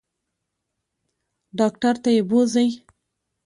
ډاکټر ته یې بوزئ.